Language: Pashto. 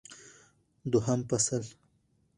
دوهم فصل